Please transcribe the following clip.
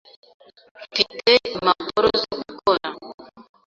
Mfite impapuro zo gukora.